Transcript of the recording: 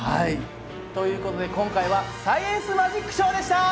という事で今回は「サイエンスマジックショー」でした！